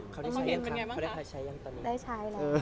เขาได้ใช้ยังไงบ้างคะได้ใช้แล้ว